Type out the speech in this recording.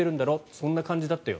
そんな感じだったよ。